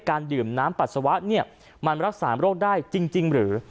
ดื่มน้ำปัสสาวะเนี่ยมันรักษาโรคได้จริงหรือ